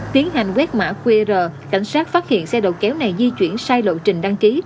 tiến hành quét mã qr cảnh sát phát hiện xe đầu kéo này di chuyển sai lộ trình đăng ký